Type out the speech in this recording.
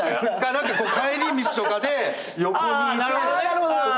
何か帰り道とかで横にいて。